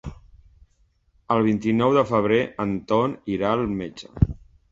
El vint-i-nou de febrer en Ton irà al metge.